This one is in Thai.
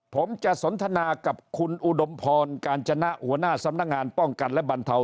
ผมจะสนทนากับคุณอุดมพรกาญจนะหัวหน้าสำนักงานป้องกันและบรรเทา